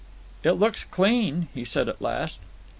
"It looks clean," he said at last.